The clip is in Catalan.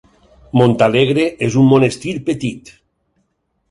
Montalegre és un monestir petit.